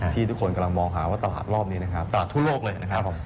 ที่ทุกคนกำลังมองหาว่าตลาดรอบนี้นะครับตลาดทั่วโลกเลยนะครับผม